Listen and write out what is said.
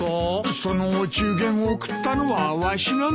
そのお中元を贈ったのはわしなんだ。